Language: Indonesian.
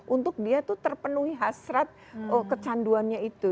untuk dia tuh terpenuhi hasrat kecanduannya itu